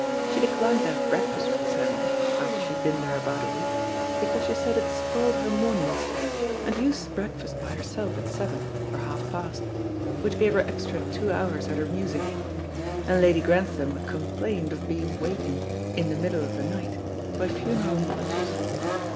She declined to have breakfast with the family, after she had been there about a week, because she said it spoiled her mornings, and used to breakfast by herself at seven or half past, which gave her extra' two hours at her music; and Lady Grantham complained of being wakened in the middle of the night by funeral marches.